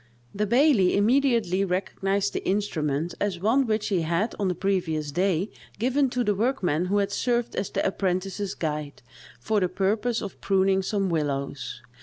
The baillie immediately recognised the instrument as one which he had on the previous day given to the workman who had served as the apprentice's guide, for the purpose of pruning some willows.